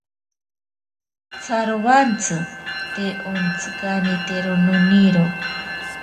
Tsarowantsi te ontsikanitero noniro.